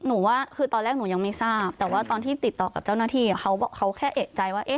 ว่าคือตอนแรกหนูยังไม่ทราบแต่ว่าตอนที่ติดต่อกับเจ้าหน้าที่เขาแค่เอกใจว่า